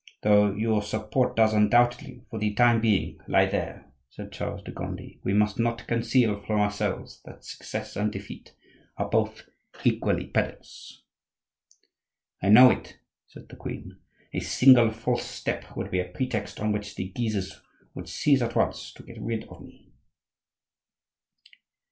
"Though your support does, undoubtedly, for the time being lie there," said Charles de Gondi, "we must not conceal from ourselves that success and defeat are both equally perilous." "I know it," said the queen; "a single false step would be a pretext on which the Guises would seize at once to get rid of me."